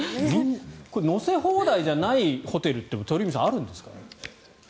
乗せ放題じゃないホテルって鳥海さん、あるんですか？